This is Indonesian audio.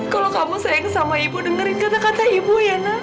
kalau kamu sayang sama ibu dengerin kata kata ibu yana